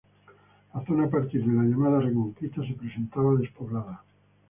La zona a partir de la llamada Reconquista se presentaba despoblada.